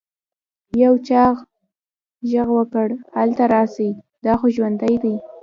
يو چا ږغ وکړ هلته راسئ دا خو ژوندى دى.